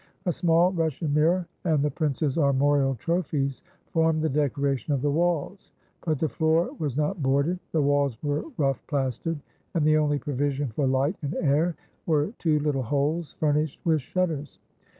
A small Russian mirror and the prince's armorial trophies formed the decoration of the walls. But the floor was not boarded, the walls were rough plastered, and the only provision for light and air were two little holes furnished with shutters.